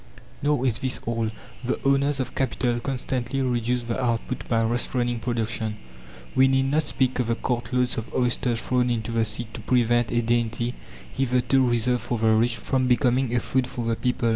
Nor is this all. The owners of capital constantly reduce the output by restraining production. We need not speak of the cartloads of oysters thrown into the sea to prevent a dainty, hitherto reserved for the rich, from becoming a food for the people.